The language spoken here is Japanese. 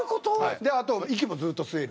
あと息もずっと吸えるし。